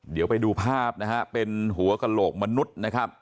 เดี๋ยวไปดูภาพเป็นหัวกะโรคมนุษย์